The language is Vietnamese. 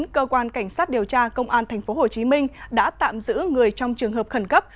cơ quan cảnh sát điều tra công an tp hcm đã tạm giữ người trong trường hợp khẩn cấp